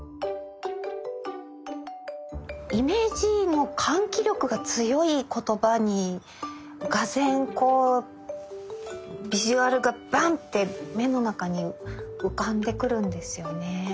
イメージの喚起力が強い言葉に俄然こうビジュアルがバンって目の中に浮かんでくるんですよね。